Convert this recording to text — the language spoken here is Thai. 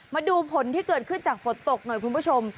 มาดูผลที่เกิดขึ้นจากฝนตกหน่อยคุณผู้ชม